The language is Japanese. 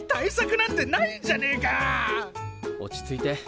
落ち着いて。